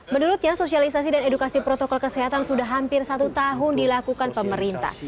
menurutnya sosialisasi dan edukasi protokol kesehatan sudah hampir satu tahun dilakukan pemerintah